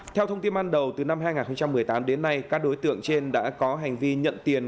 theo thông tin ban đầu từ năm hai nghìn một mươi tám đến nay các đối tượng trên đã có hành vi nhận tiền